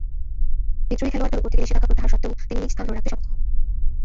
বিদ্রোহী খেলোয়াড়দের উপর থেকে নিষেধাজ্ঞা প্রত্যাহার স্বত্ত্বেও তিনি নিজ স্থান ধরে রাখতে সমর্থ হন।